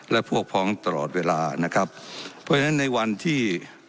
และพวกพ้องตลอดเวลานะครับเพราะฉะนั้นในวันที่